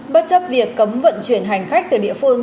bất chấp việc cấm vận chuyển hành khách từ địa phương